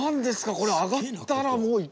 これ上がったらもういきなり。